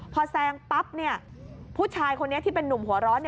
พอแซงปั๊บผู้ชายคนนี้ที่เป็นนุ่มหัวร้อน